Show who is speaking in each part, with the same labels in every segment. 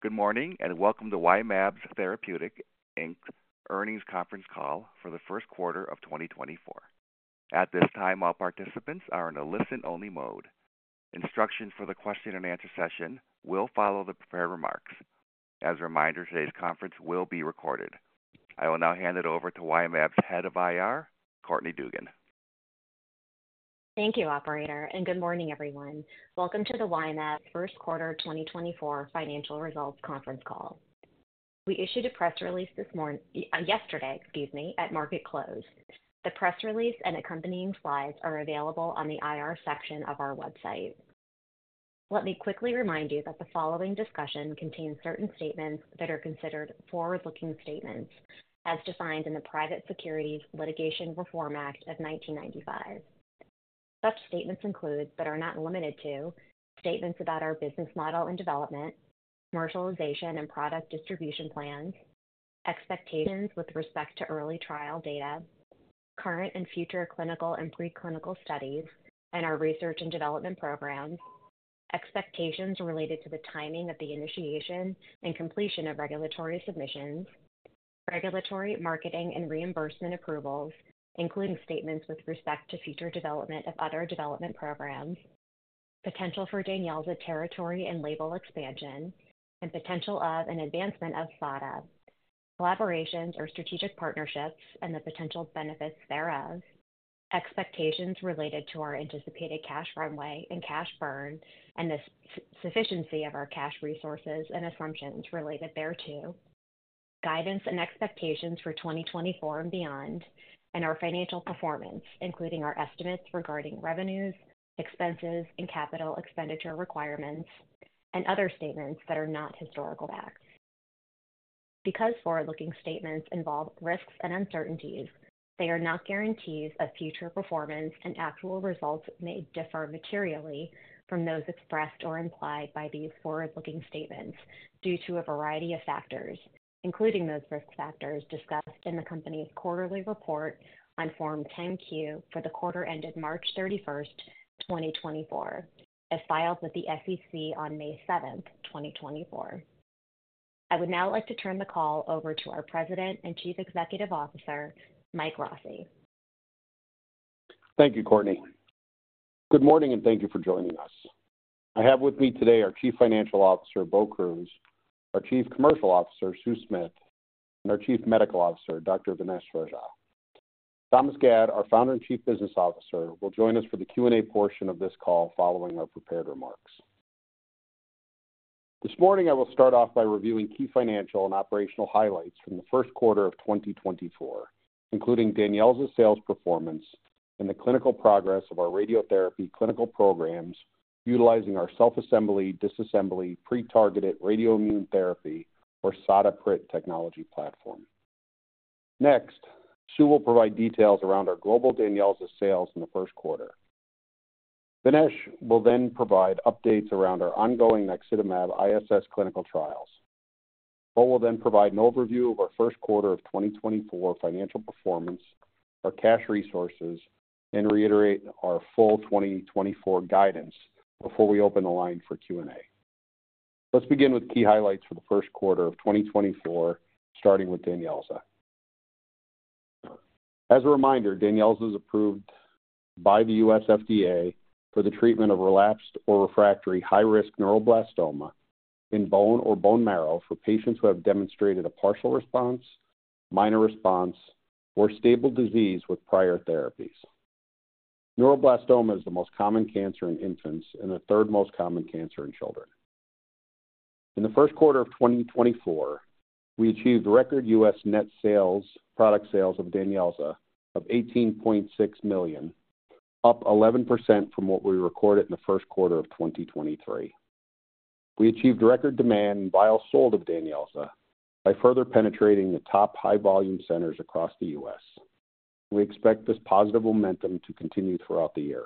Speaker 1: Good morning and welcome to Y-mAbs Therapeutics, Inc.'s Earnings Conference Call for the Q1 of 2024. At this time, all participants are in a listen-only mode. Instructions for the question-and-answer session will follow the prepared remarks. As a reminder, today's conference will be recorded. I will now hand it over to Y-mAbs' head of IR, Courtney Dugan.
Speaker 2: Thank you, Operator, and good morning, everyone. Welcome to the Y-mAbs Q1 2024 Financial Results Conference Call. We issued a press release this morning yesterday, excuse me, at market close. The press release and accompanying slides are available on the IR section of our website. Let me quickly remind you that the following discussion contains certain statements that are considered forward-looking statements as defined in the Private Securities Litigation Reform Act of 1995. Such statements include but are not limited to statements about our business model and development, commercialization and product distribution plans, expectations with respect to early trial data, current and future clinical and preclinical studies, and our research and development programs, expectations related to the timing of the initiation and completion of regulatory submissions, regulatory, marketing, and reimbursement approvals, including statements with respect to future development of other development programs, potential for DANYELZA territory and label expansion, and potential of and advancement of SADA, collaborations or strategic partnerships, and the potential benefits thereof, expectations related to our anticipated cash runway and cash burn and the sufficiency of our cash resources and assumptions related thereto, guidance and expectations for 2024 and beyond, and our financial performance, including our estimates regarding revenues, expenses, and capital expenditure requirements, and other statements that are not historical facts. Because forward-looking statements involve risks and uncertainties, they are not guarantees of future performance and actual results may differ materially from those expressed or implied by these forward-looking statements due to a variety of factors, including those risk factors discussed in the company's quarterly report on Form 10-Q for the quarter ended March 31st, 2024, as filed with the SEC on May 7th, 2024. I would now like to turn the call over to our President and Chief Executive Officer, Mike Rossi.
Speaker 3: Thank you, Courtney. Good morning and thank you for joining us. I have with me today our Chief Financial Officer, Bo Kruse, our Chief Commercial Officer, Sue Smith, and our Chief Medical Officer, Dr. Vignesh Rajah. Thomas Gad, our Founder and Chief Business Officer, will join us for the Q&A portion of this call following our prepared remarks. This morning, I will start off by reviewing key financial and operational highlights from the Q1 of 2024, including DANYELZA's sales performance and the clinical progress of our radiotherapy clinical programs utilizing our self-assembly, disassembly, pre-targeted radioimmune therapy, or SADA-PRIT technology platform. Next, Sue will provide details around our global DANYELZA sales in the Q1. Vignesh will then provide updates around our ongoing naxitamab ISS clinical trials. Bo will then provide an overview of our Q1 of 2024 financial performance, our cash resources, and reiterate our full 2024 guidance before we open the line for Q&A. Let's begin with key highlights for the Q1 of 2024, starting with DANYELZA. As a reminder, DANYELZA is approved by the U.S. FDA for the treatment of relapsed or refractory high-risk neuroblastoma in bone or bone marrow for patients who have demonstrated a partial response, minor response, or stable disease with prior therapies. Neuroblastoma is the most common cancer in infants and the third most common cancer in children. In the Q1 of 2024, we achieved record U.S. net sales product sales of DANYELZA of $18.6 million, up 11% from what we recorded in the Q1 of 2023. We achieved record demand and vials sold of DANYELZA by further penetrating the top high-volume centers across the U.S. We expect this positive momentum to continue throughout the year.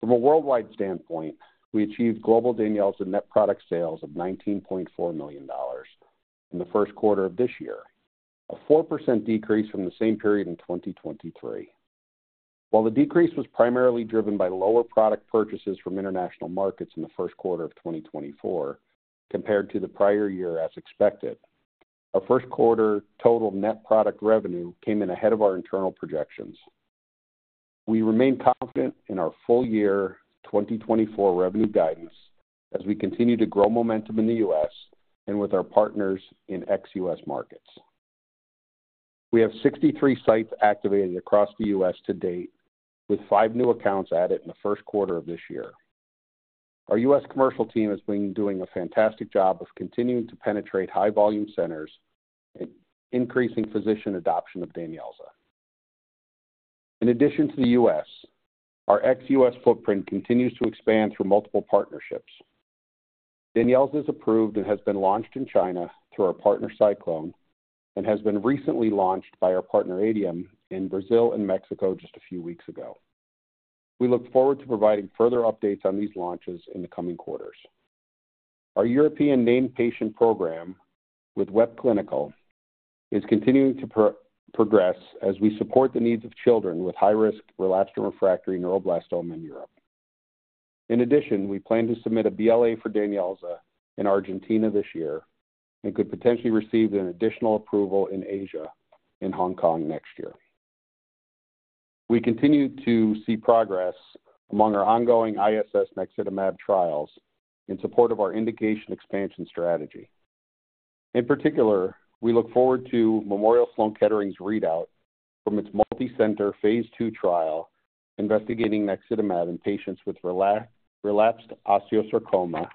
Speaker 3: From a worldwide standpoint, we achieved global DANYELZA net product sales of $19.4 million in the Q1 of this year, a 4% decrease from the same period in 2023. While the decrease was primarily driven by lower product purchases from international markets in the Q1 of 2024 compared to the prior year as expected, our Q1 total net product revenue came in ahead of our internal projections. We remain confident in our full-year 2024 revenue guidance as we continue to grow momentum in the U.S. and with our partners in ex-U.S. markets. We have 63 sites activated across the U.S. to date, with five new accounts added in the Q1 of this year. Our U.S. commercial team has been doing a fantastic job of continuing to penetrate high-volume centers and increasing physician adoption of DANYELZA. In addition to the U.S., our ex-U.S. footprint continues to expand through multiple partnerships. DANYELZA is approved and has been launched in China through our partner SciClone and has been recently launched by our partner Adium in Brazil and Mexico just a few weeks ago. We look forward to providing further updates on these launches in the coming quarters. Our European named patient program with WEP Clinical is continuing to progress as we support the needs of children with high-risk relapsed or refractory neuroblastoma in Europe. In addition, we plan to submit a BLA for DANYELZA in Argentina this year and could potentially receive an additional approval in Asia in Hong Kong next year. We continue to see progress among our ongoing ISS naxitamab trials in support of our indication expansion strategy. In particular, we look forward to Memorial Sloan Kettering's readout from its multi-center phase II trial investigating naxitamab in patients with relapsed osteosarcoma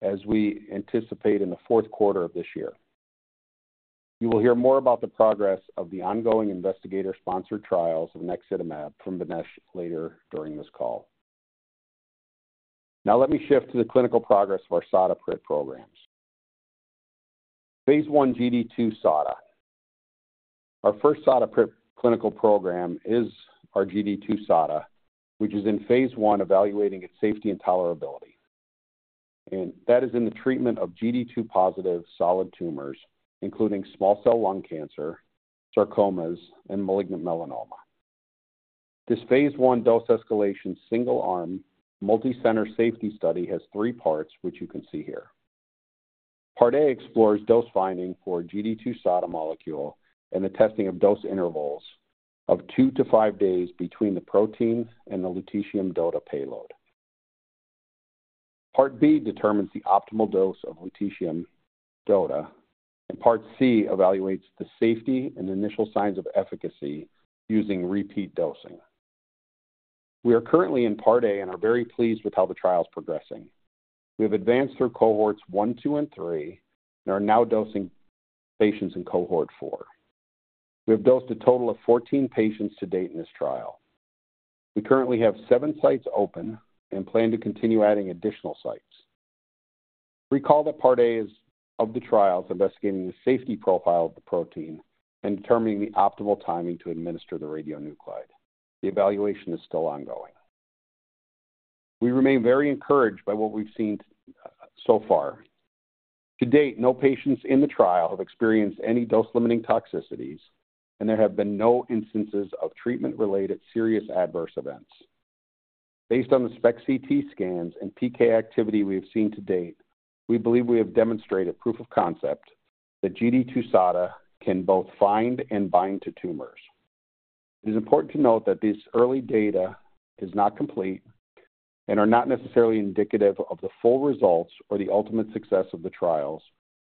Speaker 3: as we anticipate in the Q4 of this year. You will hear more about the progress of the ongoing investigator-sponsored trials of naxitamab from Vignesh later during this call. Now let me shift to the clinical progress of our SADA-PRIT programs. phase I GD2-SADA. Our first SADA-PRIT clinical program is our GD2-SADA, which is in phase I evaluating its safety and tolerability. And that is in the treatment of GD2-positive solid tumors, including small cell lung cancer, sarcomas, and malignant melanoma. This phase I dose escalation single-arm multi-center safety study has three parts, which you can see here. Part A explores dose finding for GD2-SADA molecule and the testing of dose intervals of two to five days between the protein and the Lutetium DOTA payload. Part B determines the optimal dose of Lutetium DOTA, and Part C evaluates the safety and initial signs of efficacy using repeat dosing. We are currently in Part A and are very pleased with how the trial is progressing. We have advanced through cohorts I, II, and III and are now dosing patients in cohort IV. We have dosed a total of 14 patients to date in this trial. We currently have seven sites open and plan to continue adding additional sites. Recall that Part A is of the trials investigating the safety profile of the protein and determining the optimal timing to administer the radionuclide. The evaluation is still ongoing. We remain very encouraged by what we've seen so far. To date, no patients in the trial have experienced any dose-limiting toxicities, and there have been no instances of treatment-related serious adverse events. Based on the SPECT/CT scans and PK activity we have seen to date, we believe we have demonstrated proof of concept that GD2-SADA can both find and bind to tumors. It is important to note that this early data is not complete and are not necessarily indicative of the full results or the ultimate success of the trials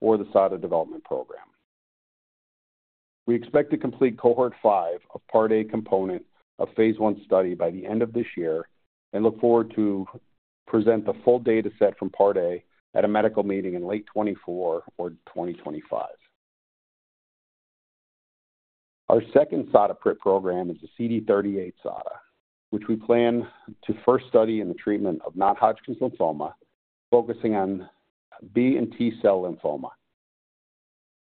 Speaker 3: or the SADA development program. We expect to complete cohort V of Part A component of phase I study by the end of this year and look forward to present the full dataset from Part A at a medical meeting in late 2024 or 2025. Our second SADA-PRIT program is the CD38-SADA, which we plan to first study in the treatment of non-Hodgkin's lymphoma, focusing on B and T cell lymphoma.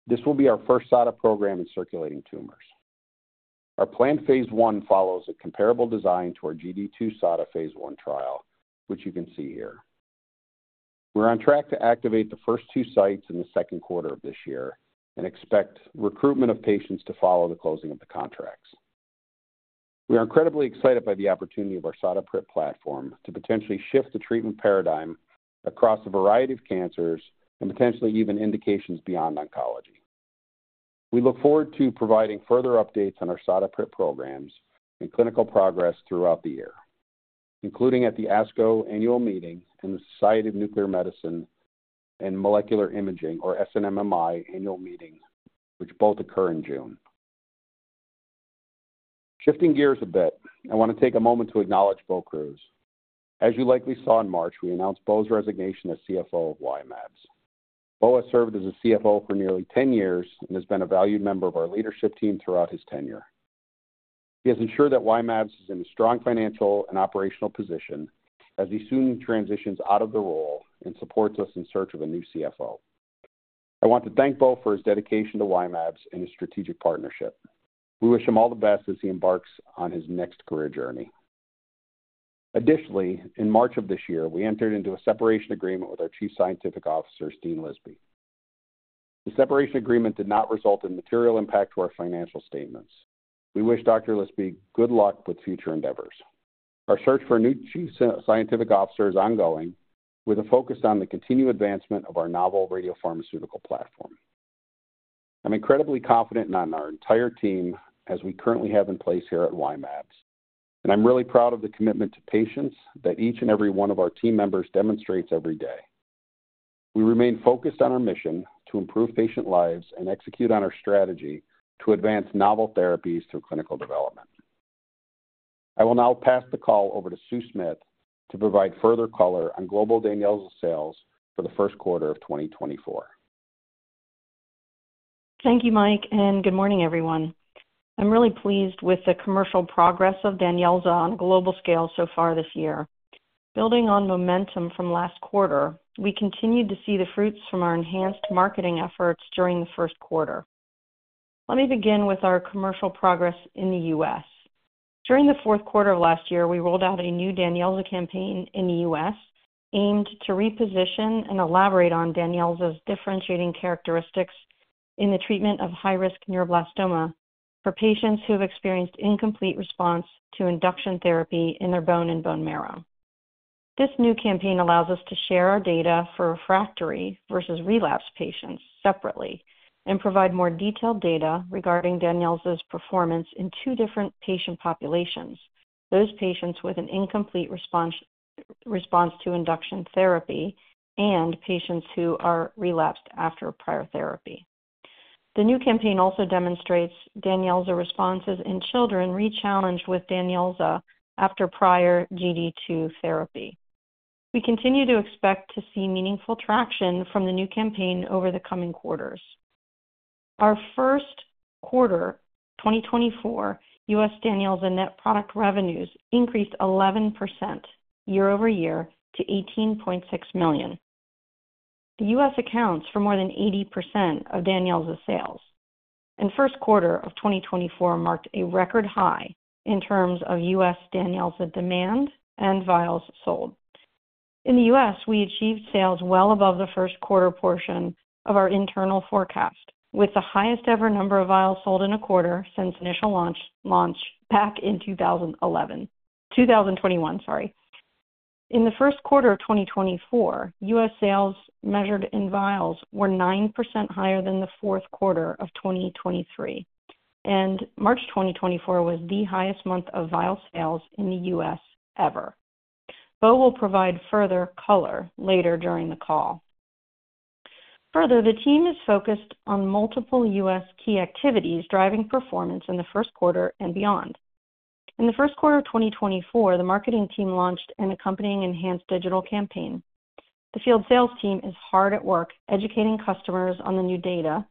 Speaker 3: This will be our first SADA program in circulating tumors. Our planned phase I follows a comparable design to our GD2-SADA phase I trial, which you can see here. We're on track to activate the first two sites in the Q2 of this year and expect recruitment of patients to follow the closing of the contracts. We are incredibly excited by the opportunity of our SADA-PRIT platform to potentially shift the treatment paradigm across a variety of cancers and potentially even indications beyond oncology. We look forward to providing further updates on our SADA-PRIT programs and clinical progress throughout the year, including at the ASCO annual meeting and the Society of Nuclear Medicine and Molecular Imaging, or SNMMI, annual meeting, which both occur in June. Shifting gears a bit, I want to take a moment to acknowledge Bo Kruse. As you likely saw in March, we announced Bo's resignation as CFO of Y-mAbs. Bo has served as a CFO for nearly 10 years and has been a valued member of our leadership team throughout his tenure. He has ensured that Y-mAbs is in a strong financial and operational position as he soon transitions out of the role and supports us in search of a new CFO. I want to thank Bo for his dedication to Y-mAbs and his strategic partnership. We wish him all the best as he embarks on his next career journey. Additionally, in March of this year, we entered into a separation agreement with our Chief Scientific Officer, Steen Lisby. The separation agreement did not result in material impact to our financial statements. We wish Dr. Lisby good luck with future endeavors. Our search for a new Chief Scientific Officer is ongoing, with a focus on the continued advancement of our novel radiopharmaceutical platform. I'm incredibly confident in our entire team as we currently have in place here at Y-mAbs, and I'm really proud of the commitment to patients that each and every one of our team members demonstrates every day. We remain focused on our mission to improve patient lives and execute on our strategy to advance novel therapies through clinical development. I will now pass the call over to Sue Smith to provide further color on global DANYELZA sales for the Q1 of 2024.
Speaker 4: Thank you, Mike, and good morning, everyone. I'm really pleased with the commercial progress of DANYELZA on a global scale so far this year. Building on momentum from last quarter, we continued to see the fruits from our enhanced marketing efforts during the Q1. Let me begin with our commercial progress in the U.S. During the Q4 of last year, we rolled out a new DANYELZA campaign in the U.S. aimed to reposition and elaborate on DANYELZA's differentiating characteristics in the treatment of High-Risk Neuroblastoma for patients who have experienced incomplete response to induction therapy in their bone and bone marrow. This new campaign allows us to share our data for refractory versus relapsed patients separately and provide more detailed data regarding DANYELZA's performance in two different patient populations, those patients with an incomplete response to induction therapy and patients who are relapsed after prior therapy. The new campaign also demonstrates DANYELZA responses in children re-challenged with DANYELZA after prior GD2 therapy. We continue to expect to see meaningful traction from the new campaign over the coming quarters. Our Q1 2024 U.S. DANYELZA net product revenues increased 11% year-over-year to $18.6 million. The U.S. accounts for more than 80% of DANYELZA sales. Q1 of 2024 marked a record high in terms of U.S. DANYELZA demand and vials sold. In the U.S., we achieved sales well above the Q1 portion of our internal forecast, with the highest ever number of vials sold in a quarter since initial launch back in 2011 2021, sorry. In the Q1 of 2024, U.S. sales measured in vials were 9% higher than the Q4 of 2023. March 2024 was the highest month of vial sales in the U.S. ever. Bo will provide further color later during the call. Further, the team is focused on multiple U.S. key activities driving performance in the Q1 and beyond. In the Q1 of 2024, the marketing team launched an accompanying enhanced digital campaign. The field sales team is hard at work educating customers on the new data,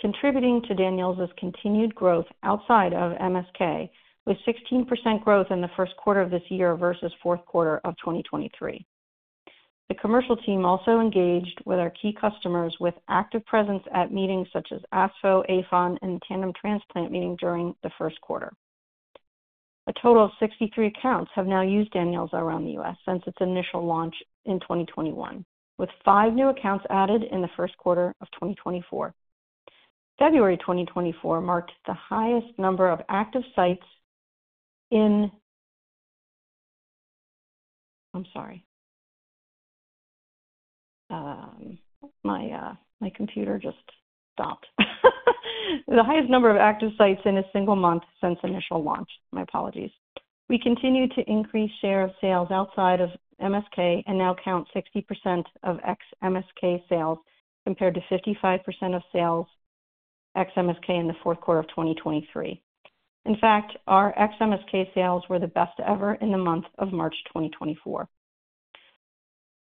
Speaker 4: contributing to DANYELZA's continued growth outside of MSK, with 16% growth in the Q1 of this year versus Q4 of 2023. The commercial team also engaged with our key customers with active presence at meetings such as ASPHO, APHON, and the Tandem Transplant meeting during the Q1. A total of 63 accounts have now used DANYELZA around the U.S. since its initial launch in 2021, with five new accounts added in the Q1 of 2024. February 2024 marked the highest number of active sites. My computer just stopped. The highest number of active sites in a single month since initial launch. My apologies. We continue to increase share of sales outside of MSK and now count 60% of ex-MSK sales compared to 55% of sales ex-MSK in the Q4 of 2023. In fact, our ex-MSK sales were the best ever in the month of March 2024.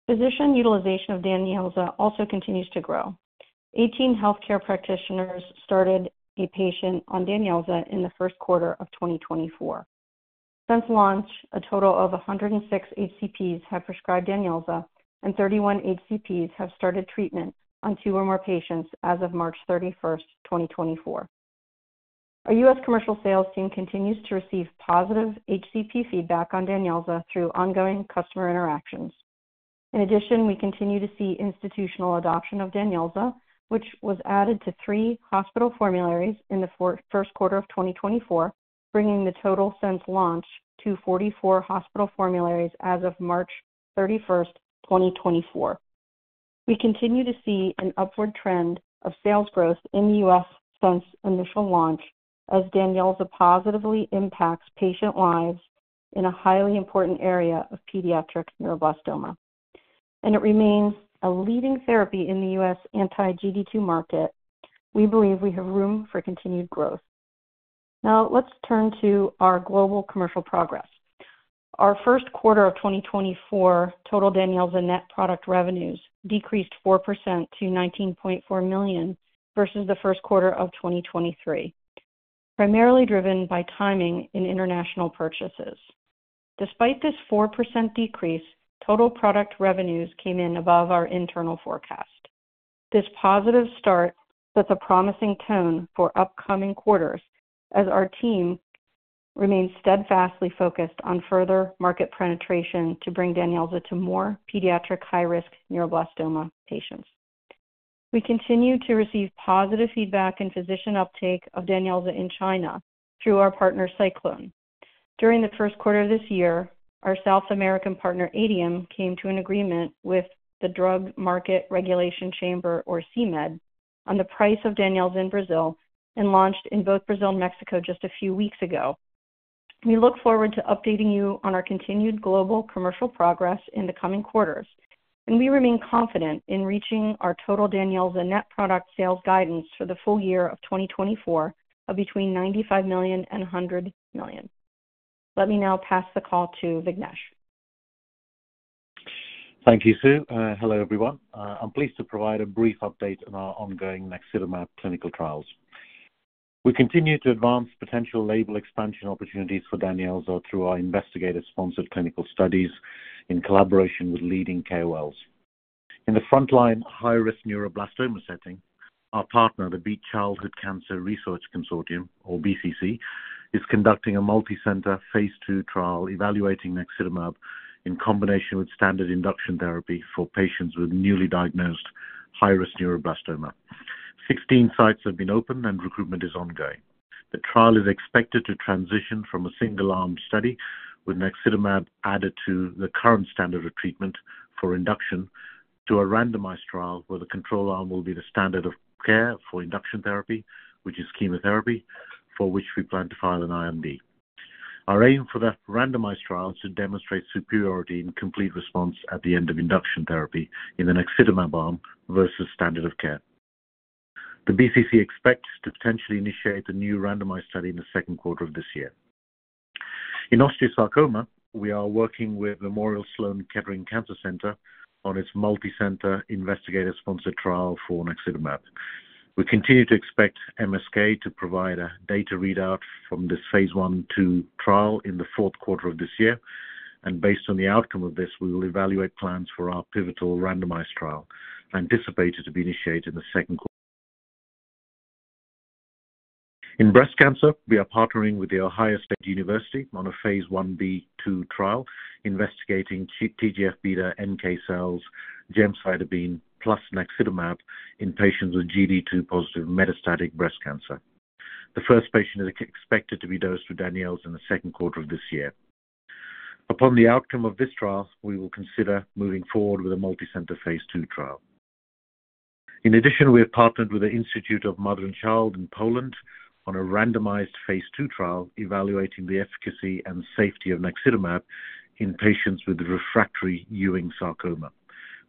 Speaker 4: Physician utilization of DANYELZA also continues to grow. 18 healthcare practitioners started a patient on DANYELZA in the Q1 of 2024. Since launch, a total of 106 HCPs have prescribed DANYELZA, and 31 HCPs have started treatment on two or more patients as of March 31st, 2024. Our U.S. commercial sales team continues to receive positive HCP feedback on DANYELZA through ongoing customer interactions. In addition, we continue to see institutional adoption of DANYELZA, which was added to 3 hospital formularies in the Q1 of 2024, bringing the total since launch to 44 hospital formularies as of March 31st, 2024. We continue to see an upward trend of sales growth in the U.S. since initial launch as DANYELZA positively impacts patient lives in a highly important area of pediatric neuroblastoma. It remains a leading therapy in the U.S. Anti-GD2 market. We believe we have room for continued growth. Now let's turn to our global commercial progress. Our Q1 of 2024, total DANYELZA net product revenues decreased 4% to $19.4 million versus the Q1 of 2023, primarily driven by timing in international purchases. Despite this 4% decrease, total product revenues came in above our internal forecast. This positive start sets a promising tone for upcoming quarters as our team remains steadfastly focused on further market penetration to bring DANYELZA to more pediatric high-risk neuroblastoma patients. We continue to receive positive feedback and physician uptake of DANYELZA in China through our partner, SciClone. During the Q1 of this year, our South American partner, Adium, came to an agreement with the Drug Market Regulation Chamber, or CMED, on the price of DANYELZA in Brazil and launched in both Brazil and Mexico just a few weeks ago. We look forward to updating you on our continued global commercial progress in the coming quarters, and we remain confident in reaching our total DANYELZA net product sales guidance for the full year of 2024 of between $95 and $100 million. Let me now pass the call to Vignesh.
Speaker 5: Thank you, Sue. Hello, everyone. I'm pleased to provide a brief update on our ongoing naxitamab clinical trials. We continue to advance potential label expansion opportunities for DANYELZA through our investigator-sponsored clinical studies in collaboration with leading KOLs. In the frontline high-risk neuroblastoma setting, our partner, the Beat Childhood Cancer Research Consortium, or BCC, is conducting a multi-center phase II trial evaluating naxitamab in combination with standard induction therapy for patients with newly diagnosed high-risk neuroblastoma. 16 sites have been open, and recruitment is ongoing. The trial is expected to transition from a single-arm study with naxitamab added to the current standard of treatment for induction to a randomized trial where the control arm will be the standard of care for induction therapy, which is chemotherapy, for which we plan to file an IND. Our aim for that randomized trial is to demonstrate superiority in complete response at the end of induction therapy in the naxitamab arm versus standard of care. The BCC expects to potentially initiate a new randomized study in the Q2 of this year. In osteosarcoma, we are working with Memorial Sloan Kettering Cancer Center on its multi-center investigator-sponsored trial for naxitamab. We continue to expect MSK to provide a data readout from this phase II trial in theQ4 of this year. Based on the outcome of this, we will evaluate plans for our pivotal randomized trial, anticipated to be initiated in the Q2. In breast cancer, we are partnering with The Ohio State University on a phase Ib/II trial investigating TGF beta NK cells, gemcitabine, plus naxitamab in patients with GD2-positive metastatic breast cancer. The first patient is expected to be dosed with DANYELZA in the Q2 of this year. Upon the outcome of this trial, we will consider moving forward with a multi-center phase II trial. In addition, we have partnered with the Institute of Mother and Child in Poland on a randomized phase II trial evaluating the efficacy and safety of naxitamab in patients with refractory Ewing sarcoma,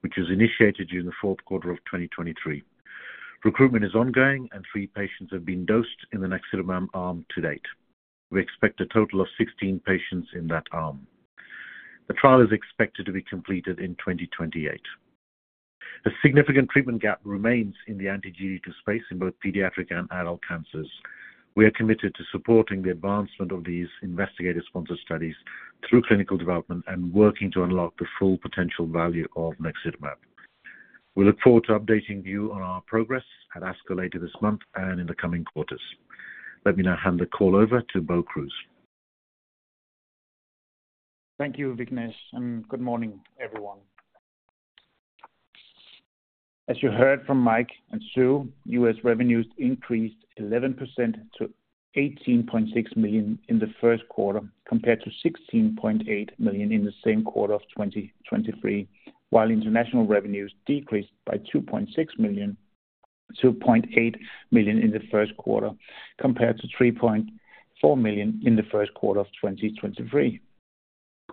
Speaker 5: which was initiated during the Q4 of 2023. Recruitment is ongoing, and 3 patients have been dosed in the naxitamab arm to date. We expect a total of 16 patients in that arm. The trial is expected to be completed in 2028. A significant treatment gap remains in the anti-GD2 space in both pediatric and adult cancers. We are committed to supporting the advancement of these investigator-sponsored studies through clinical development and working to unlock the full potential value of naxitamab. We look forward to updating you on our progress at ASCO later this month and in the coming quarters. Let me now hand the call over to Bo Kruse.
Speaker 6: Thank you, Vignesh, and good morning, everyone. As you heard from Mike and Sue, U.S. revenues increased 11% to $18.6 million in the Q1 compared to $16.8 million in the same quarter of 2023, while international revenues decreased by $2.6 to $2.8 million in the Q1 compared to $3.4 million in the Q1 of 2023.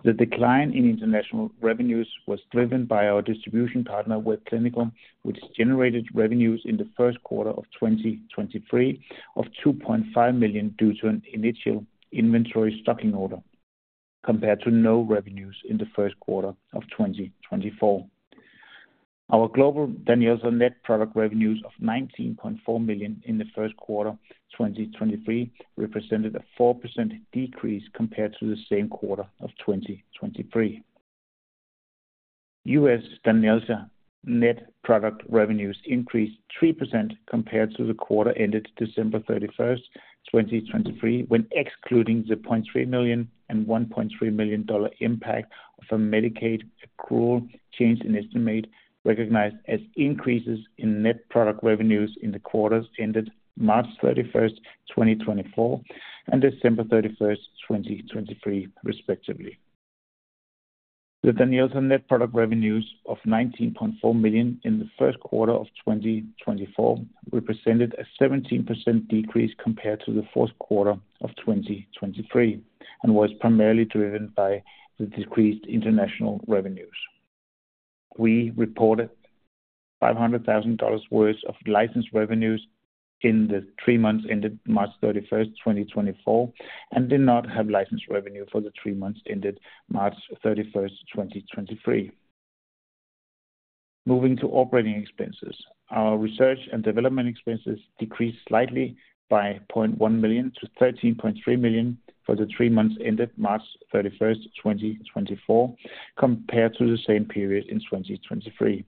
Speaker 6: The decline in international revenues was driven by our distribution partner, WEP Clinical, which generated revenues in the Q1 of 2023 of $2.5 million due to an initial inventory stocking order compared to no revenues in the Q1 of 2024. Our global DANYELZA net product revenues of $19.4 million in the Q1 of 2023 represented a 4% decrease compared to the same quarter of 2023. U.S. DANYELZA net product revenues increased 3% compared to the quarter ended December 31st, 2023, when excluding the $0.3 and $1.3 million impact of a Medicaid accrual change in estimate recognized as increases in net product revenues in the quarters ended March 31st, 2024, and December 31st, 2023, respectively. The DANYELZA net product revenues of $19.4 million in the Q1 of 2024 represented a 17% decrease compared to the Q4 of 2023 and was primarily driven by the decreased international revenues. We reported $500,000 worth of license revenues in the three months ended March 31st, 2024, and did not have license revenue for the three months ended March 31st, 2023. Moving to operating expenses, our research and development expenses decreased slightly by $0.1 to $13.3 million for the three months ended March 31st, 2024, compared to the same period in 2023.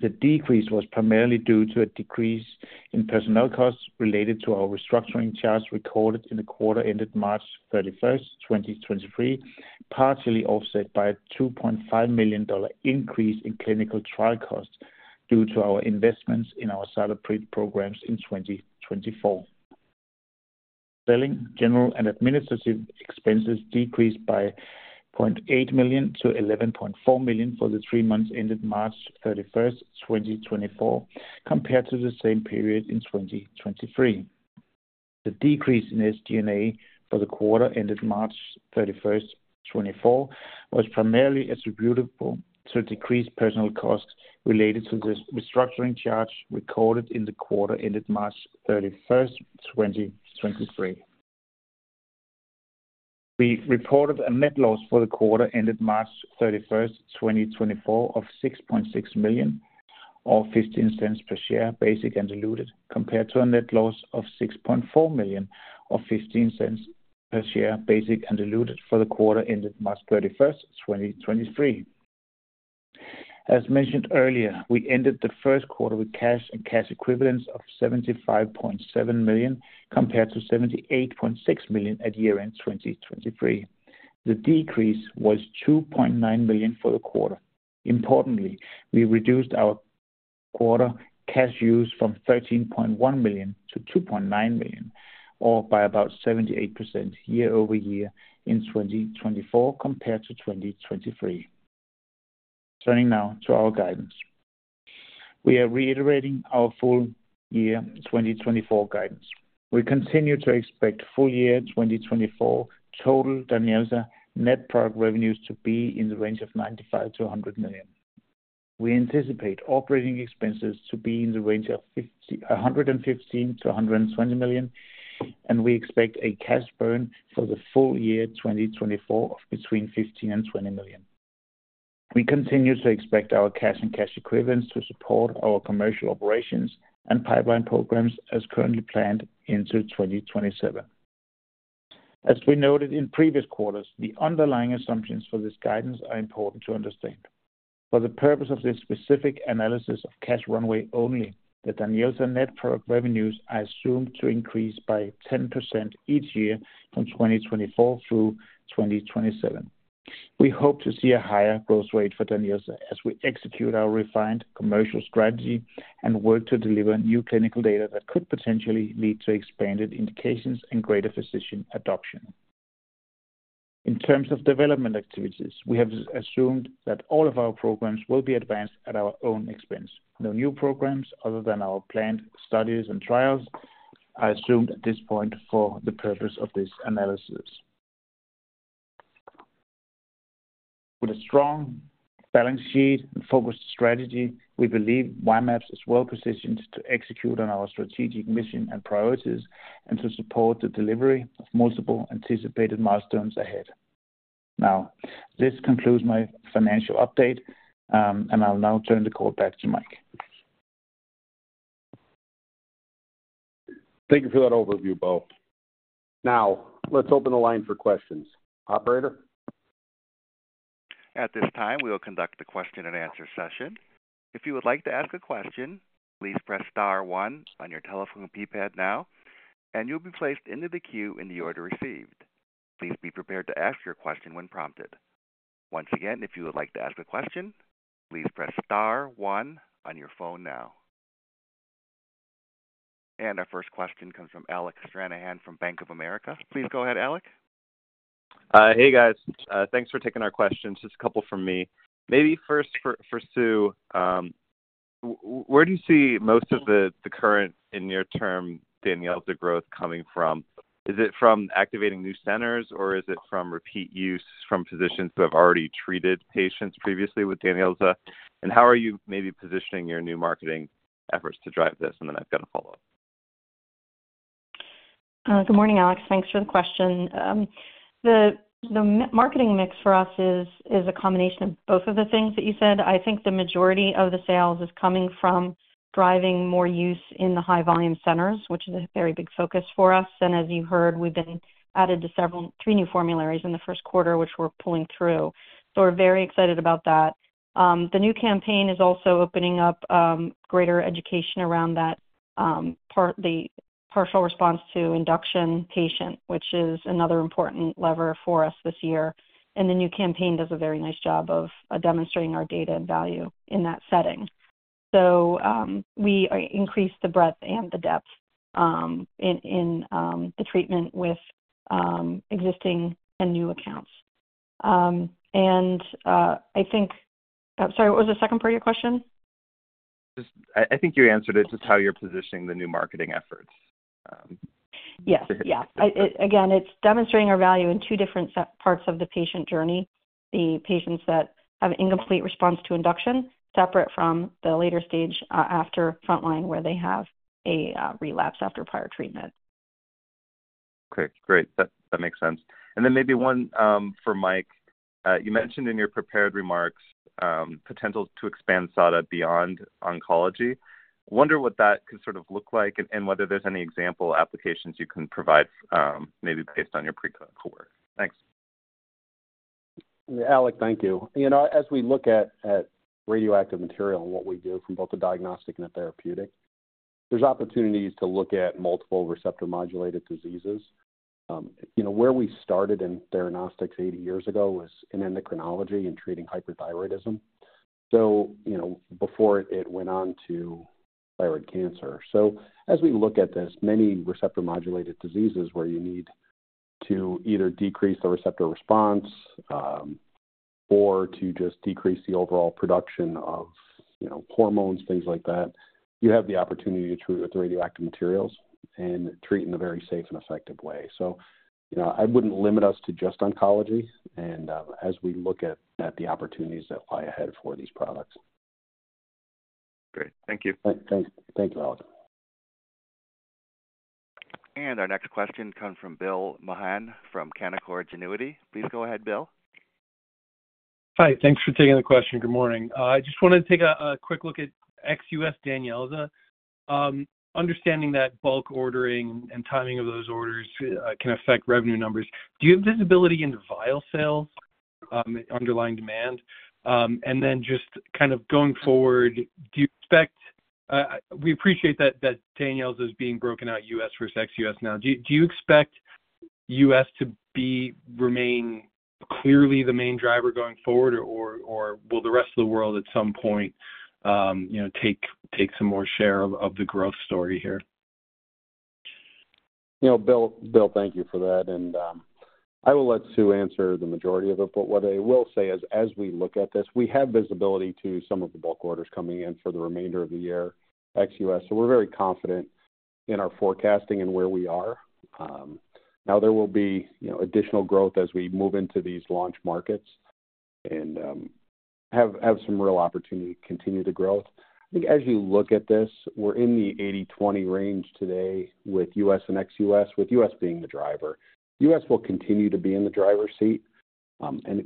Speaker 6: The decrease was primarily due to a decrease in personnel costs related to our restructuring charge recorded in the quarter ended March 31st, 2023, partially offset by a $2.5 million increase in clinical trial costs due to our investments in our SADA-PRIT programs in 2024. Selling, general, and administrative expenses decreased by $0.8 to $11.4 million for the three months ended March 31st, 2024, compared to the same period in 2023. The decrease in SG&A for the quarter ended March 31st, 2024, was primarily attributable to decreased personnel costs related to the restructuring charge recorded in the quarter ended March 31st, 2023. We reported a net loss for the quarter ended March 31st, 2024, of $6.6 million or $0.15 per share basic and diluted, compared to a net loss of $6.4 million or $0.15 per share basic and diluted for the quarter ended March 31st, 2023. As mentioned earlier, we ended the Q1 with cash and cash equivalents of $75.7 million compared to $78.6 million at year-end 2023. The decrease was $2.9 million for the quarter. Importantly, we reduced our quarter cash use from $13.1 to $2.9 million or by about 78% year over year in 2024 compared to 2023. Turning now to our guidance. We are reiterating our full year 2024 guidance. We continue to expect full year 2024 total DANYELZA net product revenues to be in the range of $95-$100 million. We anticipate operating expenses to be in the range of $115-$120 million, and we expect a cash burn for the full year 2024 of between $15 and $20 million. We continue to expect our cash and cash equivalents to support our commercial operations and pipeline programs as currently planned into 2027. As we noted in previous quarters, the underlying assumptions for this guidance are important to understand. For the purpose of this specific analysis of cash runway only, the DANYELZA net product revenues are assumed to increase by 10% each year from 2024 through 2027. We hope to see a higher growth rate for DANYELZA as we execute our refined commercial strategy and work to deliver new clinical data that could potentially lead to expanded indications and greater physician adoption. In terms of development activities, we have assumed that all of our programs will be advanced at our own expense. No new programs other than our planned studies and trials are assumed at this point for the purpose of this analysis. With a strong balance sheet and focused strategy, we believe Y-mAbs is well positioned to execute on our strategic mission and priorities and to support the delivery of multiple anticipated milestones ahead. Now, this concludes my financial update, and I'll now turn the call back to Mike.
Speaker 3: Thank you for that overview, Bo. Now, let's open the line for questions. Operator?
Speaker 1: At this time, we will conduct the question-and-answer session. If you would like to ask a question, please press star one on your telephone keypad now, and you'll be placed into the queue in the order received. Please be prepared to ask your question when prompted. Once again, if you would like to ask a question, please press star one on your phone now. Our first question comes from Alec Stranahan from Bank of America. Please go ahead, Alec.
Speaker 7: Hey, guys. Thanks for taking our questions. Just a couple from me. Maybe first for Sue, where do you see most of the current, in your term, DANYELZA growth coming from? Is it from activating new centers, or is it from repeat use from physicians who have already treated patients previously with DANYELZA? And how are you maybe positioning your new marketing efforts to drive this? And then I've got a follow-up.
Speaker 4: Good morning, Alec. Thanks for the question. The marketing mix for us is a combination of both of the things that you said. I think the majority of the sales is coming from driving more use in the high-volume centers, which is a very big focus for us. And as you heard, we've been added to three new formularies in the Q1, which we're pulling through. So we're very excited about that. The new campaign is also opening up greater education around the partial response to induction patient, which is another important lever for us this year. And the new campaign does a very nice job of demonstrating our data and value in that setting. So we increased the breadth and the depth in the treatment with existing and new accounts. And I think, sorry, what was the second part of your question?
Speaker 7: I think you answered it, just how you're positioning the new marketing efforts.
Speaker 4: Yes. Yeah. Again, it's demonstrating our value in two different parts of the patient journey: the patients that have an incomplete response to induction, separate from the later stage after frontline where they have a relapse after prior treatment.
Speaker 7: Okay. Great. That makes sense. And then maybe one for Mike. You mentioned in your prepared remarks potential to expand SADA beyond oncology. I wonder what that could sort of look like and whether there's any example applications you can provide maybe based on your preclinical work. Thanks.
Speaker 3: Alec, thank you. As we look at radioactive material and what we do from both the diagnostic and the therapeutic, there's opportunities to look at multiple receptor-modulated diseases. Where we started in theranostics 80 years ago was in endocrinology and treating hyperthyroidism, so before it went on to thyroid cancer. So as we look at this, many receptor-modulated diseases where you need to either decrease the receptor response or to just decrease the overall production of hormones, things like that, you have the opportunity to treat with radioactive materials and treat in a very safe and effective way. So I wouldn't limit us to just oncology, as we look at the opportunities that lie ahead for these products.
Speaker 7: Great. Thank you.
Speaker 3: Thank you, Alec.
Speaker 1: Our next question comes from Bill Maughan from Canaccord Genuity. Please go ahead, Bill.
Speaker 8: Hi. Thanks for taking the question. Good morning. I just wanted to take a quick look at ex-US DANYELZA. Understanding that bulk ordering and timing of those orders can affect revenue numbers, do you have visibility into vial sales, underlying demand? And then just kind of going forward, do you expect we appreciate that DANYELZA is being broken out US versus ex-US now. Do you expect US to remain clearly the main driver going forward, or will the rest of the world at some point take some more share of the growth story here?
Speaker 3: Bill, thank you for that. I will let Sue answer the majority of it. But what I will say is, as we look at this, we have visibility to some of the bulk orders coming in for the remainder of the year, XUS. We're very confident in our forecasting and where we are. Now, there will be additional growth as we move into these launch markets and have some real opportunity to continue the growth. I think as you look at this, we're in the 80/20 range today with US and XUS, with US being the driver. US will continue to be in the driver's seat.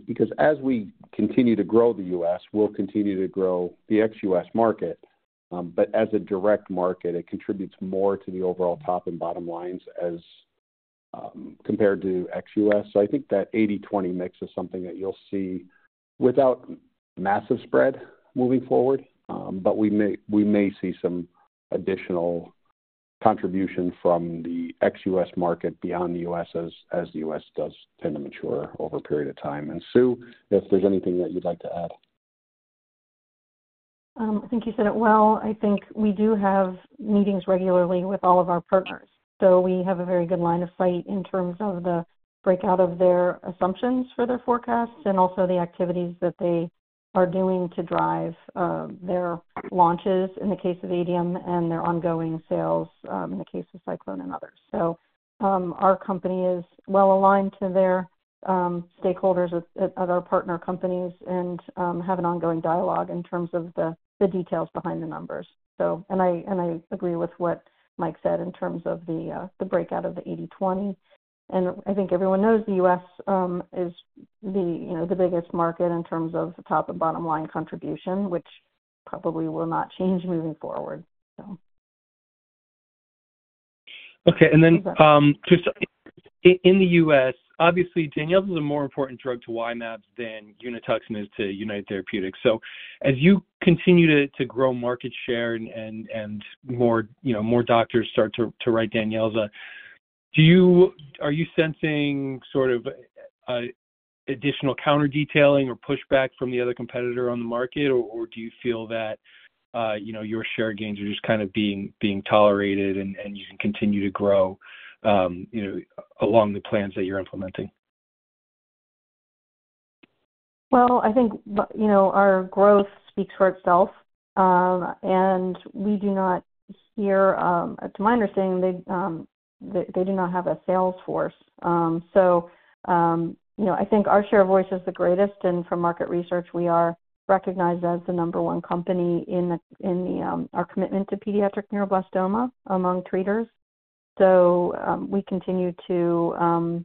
Speaker 3: Because as we continue to grow the US, we'll continue to grow the XUS market. But as a direct market, it contributes more to the overall top and bottom lines compared to XUS. I think that 80/20 mix is something that you'll see without massive spread moving forward, but we may see some additional contribution from the XUS market beyond the US as the US does tend to mature over a period of time. And Sue, if there's anything that you'd like to add.
Speaker 4: I think you said it well. I think we do have meetings regularly with all of our partners. So we have a very good line of sight in terms of the breakout of their assumptions for their forecasts and also the activities that they are doing to drive their launches in the case of Adium and their ongoing sales in the case of SciClone and others. So our company is well aligned to their stakeholders at our partner companies and have an ongoing dialogue in terms of the details behind the numbers. And I agree with what Mike said in terms of the breakout of the 80/20. And I think everyone knows the U.S. is the biggest market in terms of top and bottom line contribution, which probably will not change moving forward, so.
Speaker 8: Okay. And then just in the US, obviously, DANYELZA is a more important drug to Y-mAbs than Unituxin is to United Therapeutics. So as you continue to grow market share and more doctors start to write DANYELZA, are you sensing sort of additional counter-detailing or pushback from the other competitor on the market, or do you feel that your share gains are just kind of being tolerated and you can continue to grow along the plans that you're implementing?
Speaker 4: Well, I think our growth speaks for itself. And we do not hear, to my understanding, they do not have a sales force. So I think our share of voice is the greatest. And from market research, we are recognized as the number one company in our commitment to pediatric neuroblastoma among treaters. So we continue to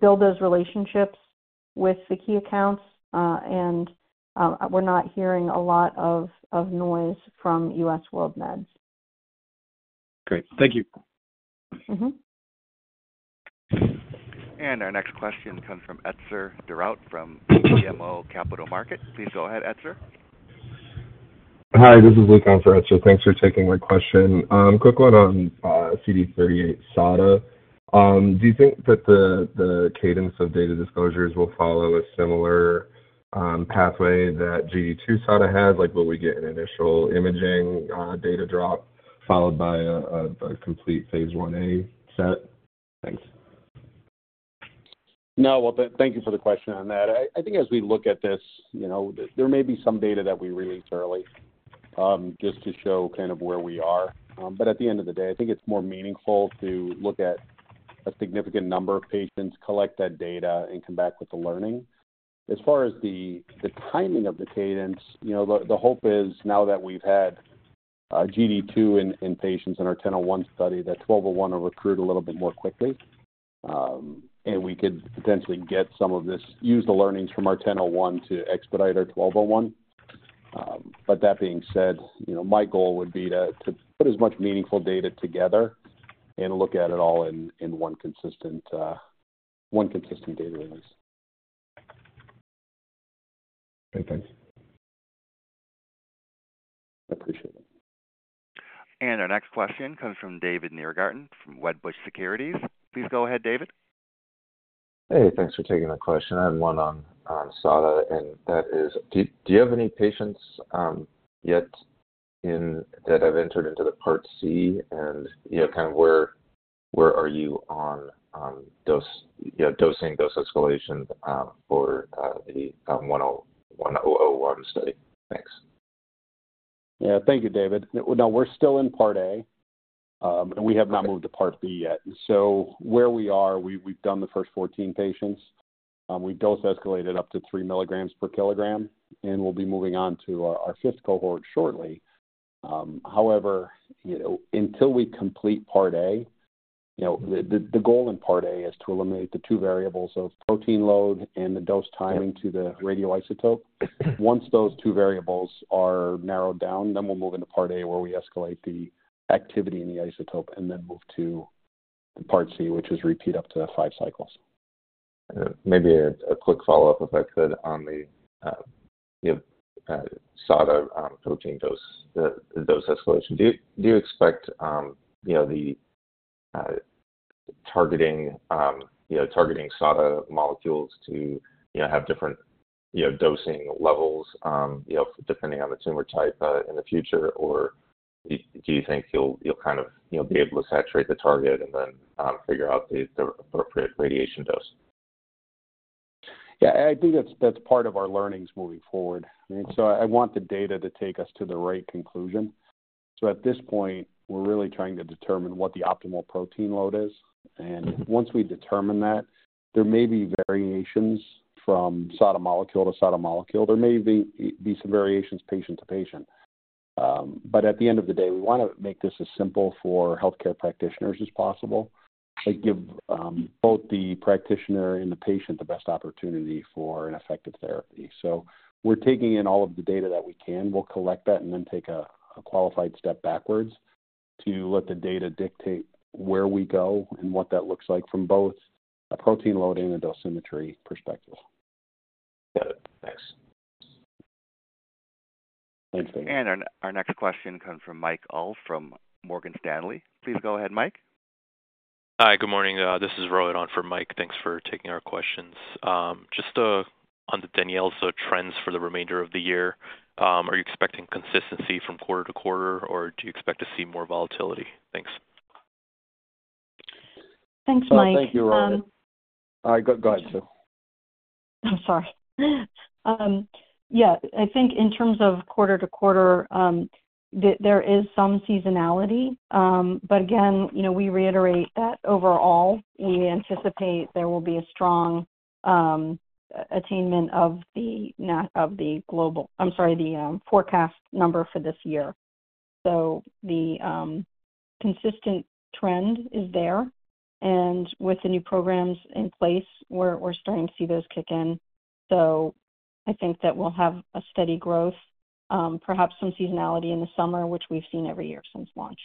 Speaker 4: build those relationships with the key accounts. And we're not hearing a lot of noise from US World Meds.
Speaker 8: Great. Thank you.
Speaker 1: Our next question comes from Etzer Darout from BMO Capital Markets. Please go ahead, Etzer.
Speaker 9: Hi. This is Lee Cohn for Etzer. Thanks for taking my question. Quick one on CD38-SADA. Do you think that the cadence of data disclosures will follow a similar pathway that GD2-SADA has, like will we get an initial imaging data drop followed by a complete phase 1A set? Thanks.
Speaker 3: No. Well, thank you for the question on that. I think as we look at this, there may be some data that we release early just to show kind of where we are. But at the end of the day, I think it's more meaningful to look at a significant number of patients, collect that data, and come back with the learning. As far as the timing of the cadence, the hope is now that we've had GD2 in patients in our 1001 study, that 1201 are recruited a little bit more quickly, and we could potentially use the learnings from our 1001 to expedite our 1201. But that being said, my goal would be to put as much meaningful data together and look at it all in one consistent data release.
Speaker 9: Great. Thanks.
Speaker 3: I appreciate it.
Speaker 1: Our next question comes from David Nierengarten from Wedbush Securities. Please go ahead, David.
Speaker 10: Hey. Thanks for taking that question. I have one on SADA, and that is, do you have any patients yet that have entered into the Part C? And kind of where are you on dosing, dose escalation for the 1001 study? Thanks.
Speaker 3: Yeah. Thank you, David. No, we're still in Part A, and we have not moved to Part B yet. So where we are, we've done the first 14 patients. We've dose escalated up to 3 milligrams per kilogram, and we'll be moving on to our fifth cohort shortly. However, until we complete Part A, the goal in Part A is to eliminate the two variables of protein load and the dose timing to the radioisotope. Once those two variables are narrowed down, then we'll move into Part A where we escalate the activity in the isotope and then move to Part C, which is repeat up to five cycles.
Speaker 10: Maybe a quick follow-up, if I could, on the SADA protein dose escalation. Do you expect the targeting SADA molecules to have different dosing levels depending on the tumor type in the future, or do you think you'll kind of be able to saturate the target and then figure out the appropriate radiation dose?
Speaker 3: Yeah. I think that's part of our learnings moving forward. I mean, so I want the data to take us to the right conclusion. So at this point, we're really trying to determine what the optimal protein load is. And once we determine that, there may be variations from SADA molecule to SADA molecule. There may be some variations patient to patient. But at the end of the day, we want to make this as simple for healthcare practitioners as possible, give both the practitioner and the patient the best opportunity for an effective therapy. So we're taking in all of the data that we can. We'll collect that and then take a qualified step backwards to let the data dictate where we go and what that looks like from both a protein load and a dosimetry perspective.
Speaker 10: Got it. Thanks.
Speaker 3: Thanks, David.
Speaker 1: Our next question comes from Mike Ulz from Morgan Stanley. Please go ahead, Mike.
Speaker 11: Hi. Good morning. This is Rowan on for Mike. Thanks for taking our questions. Just on the DANYELZA trends for the remainder of the year, are you expecting consistency from quarter-to-quarter, or do you expect to see more volatility? Thanks.
Speaker 4: Thanks, Mike.
Speaker 3: Well, thank you, Rowan. All right. Go ahead, Sue.
Speaker 4: I'm sorry. Yeah. I think in terms of quarter-to-quarter, there is some seasonality. But again, we reiterate that overall, we anticipate there will be a strong attainment of the global I'm sorry, the forecast number for this year. So the consistent trend is there. And with the new programs in place, we're starting to see those kick in. So I think that we'll have a steady growth, perhaps some seasonality in the summer, which we've seen every year since launch.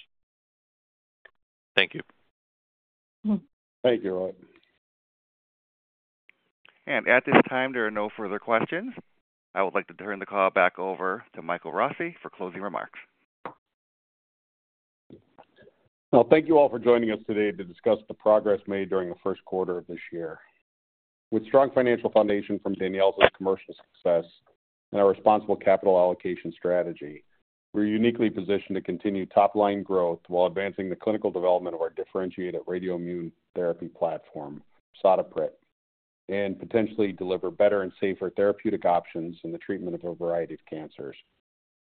Speaker 11: Thank you.
Speaker 3: Thank you, Rowan.
Speaker 1: At this time, there are no further questions. I would like to turn the call back over to Michael Rossi for closing remarks.
Speaker 3: Well, thank you all for joining us today to discuss the progress made during the Q1 of this year. With strong financial foundation from DANYELZA's commercial success and our responsible capital allocation strategy, we're uniquely positioned to continue top-line growth while advancing the clinical development of our differentiated radioimmune therapy platform, SADA-PRIT, and potentially deliver better and safer therapeutic options in the treatment of a variety of cancers.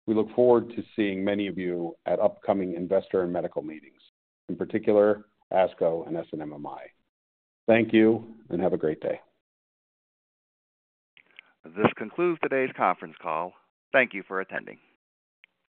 Speaker 3: We look forward to seeing many of you at upcoming investor and medical meetings, in particular ASCO and SNMMI. Thank you, and have a great day.
Speaker 1: This concludes today's conference call. Thank you for attending.